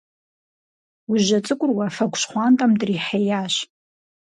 Ужьэ цӀыкӀур уафэгу щхъуантӀэм дрихьеящ.